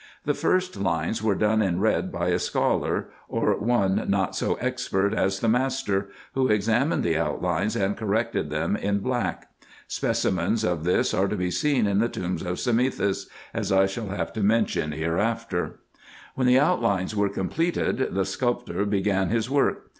The first lines were done in red by a scholar, or one not so expert as the master, who examined the outlines, and corrected them in black. Specimens of this are to be seen in the tomb of Samethis, as I shall have to mention hereafter. When the outlines were completed, the sculptor began his work.